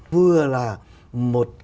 vừa là một